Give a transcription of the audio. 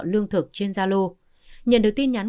lương thực trên gia lô nhận được tin nhắn